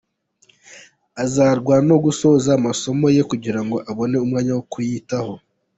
Azarwana no gusoza amasomoye kugirango abone umwanya wo kwiyitaho.